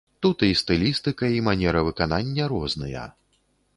Тут і стылістыка, і манера выканання розныя.